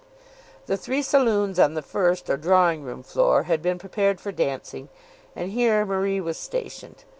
The three saloons on the first or drawing room floor had been prepared for dancing, and here Marie was stationed.